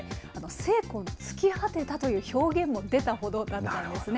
精魂尽き果てたという表現も出たほどだったんですね。